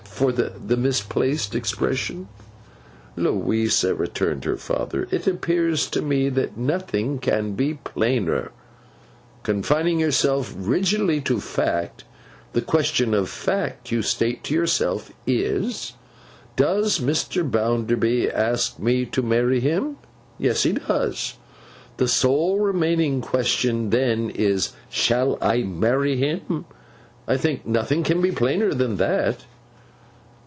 For the misplaced expression?' 'Louisa,' returned her father, 'it appears to me that nothing can be plainer. Confining yourself rigidly to Fact, the question of Fact you state to yourself is: Does Mr. Bounderby ask me to marry him? Yes, he does. The sole remaining question then is: Shall I marry him? I think nothing can be plainer than that?